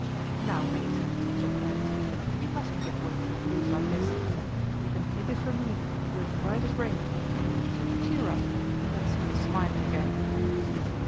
"Now, Mater," said Clarence, "you mustn't give way to the blues like this. You can take it from me that we're as right as rain. So cheer up, and let's see you smiling again."